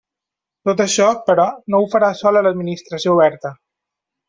Tot això, però, no ho farà sola l'Administració Oberta.